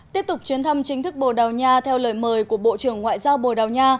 tiếp tục chuyến thăm chính thức bồ đào nha theo lời mời của bộ trưởng ngoại giao bồ đào nha